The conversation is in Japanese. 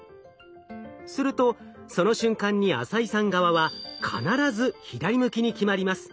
するとその瞬間に浅井さん側は必ず左向きに決まります。